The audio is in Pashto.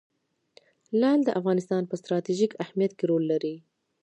لعل د افغانستان په ستراتیژیک اهمیت کې رول لري.